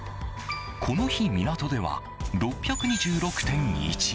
この日、港では６２６．１。